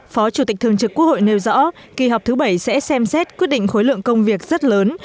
phó chủ tịch thường trực quốc hội nêu rõ kỳ họp thứ bảy sẽ xem xét quyết định khối lượng công việc rất lớn